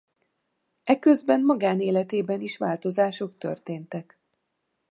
Eközben magánéletében is változások történek.